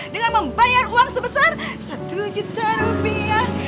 dengan membayar uang sebesar satu juta rupiah